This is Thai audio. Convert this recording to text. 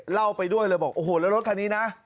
เล่าไปด้วยเลยบอกโอ้โหแล้วรถคันนี้นะ